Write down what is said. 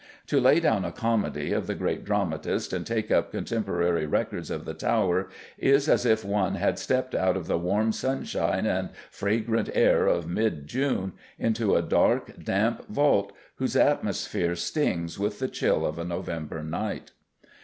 To lay down a comedy of the great dramatist and take up contemporary records of the Tower is as if one had stepped out of the warm sunshine and fragrant air of mid June into a dark, damp vault whose atmosphere stings with the chill of a November night.